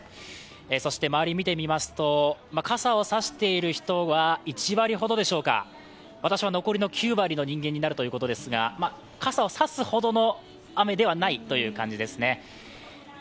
そして周りを見てみますと、傘を差している人は１割ほどでしょうか、私は残りの９割の人間になるということですが、傘を差すほどの雨ではないという感じですね。